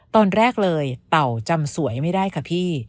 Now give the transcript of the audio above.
ตอนแรกเลยเต่าจำสวยไม่ได้ค่ะพี่